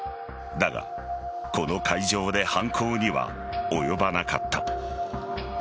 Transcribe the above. だがこの会場で犯行には及ばなかった。